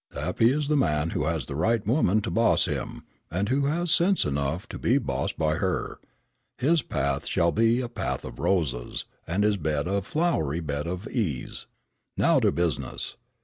"Happy is the man who has the right woman to boss him, and who has sense enough to be bossed by her; his path shall be a path of roses, and his bed a flowery bed of ease. Now to business.